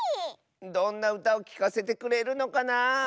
どんなうたをきかせてくれるのかなあ。